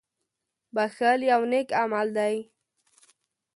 • بښل یو نېک عمل دی.